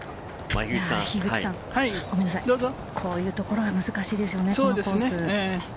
こういうところが難しいですよね、このコース。